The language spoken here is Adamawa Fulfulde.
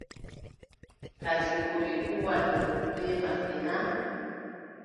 Kadi koo ɓe kuwanno bee maɓɓe na ?